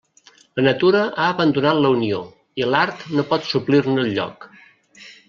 La natura ha abandonat la unió, i l'art no pot suplir-ne el lloc.